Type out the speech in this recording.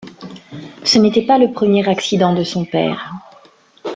Ce n'était pas le premier accident de son père.